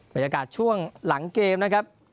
บรรยากาศช่วงหลังเกมนะครับ